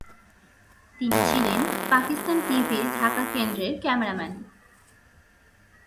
তিনি ছিলেন পাকিস্তান টিভির ঢাকা কেন্দ্রের ক্যামেরাম্যান।